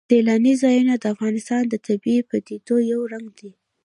سیلانی ځایونه د افغانستان د طبیعي پدیدو یو رنګ دی.